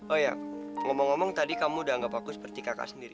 oh ya ngomong ngomong tadi kamu udah anggap aku seperti kakak sendiri